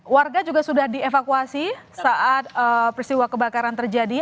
warga juga sudah dievakuasi saat peristiwa kebakaran terjadi